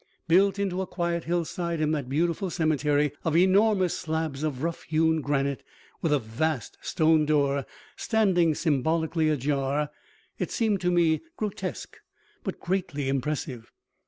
Built into a quiet hillside in that beautiful cemetery, of enormous slabs of rough hewn granite with a vast stone door standing symbolically ajar, it seemed to me grotesque, but greatly impressive.